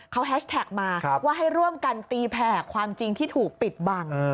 เขาแฮชแท็กมาว่าให้ร่วมกันตีแผ่ความจริงที่ถูกปิดบัง